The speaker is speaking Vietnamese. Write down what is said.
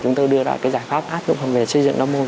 chúng tôi đưa lại cái giải pháp áp lụng về xây dựng đông môn